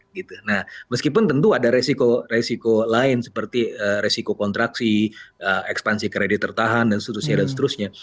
nah meskipun tentu ada resiko resiko lain seperti resiko kontraksi ekspansi kredit tertahan dan seterusnya dan seterusnya